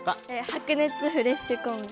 白熱フレッシュコンビ。